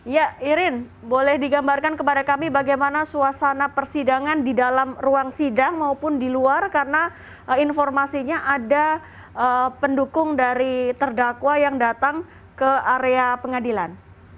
ya irin boleh digambarkan kepada kami bagaimana suasana persidangan di dalam ruang sidang maupun di luar karena informasinya ada pendukung dari terdakwa yang datang ke area pengadilan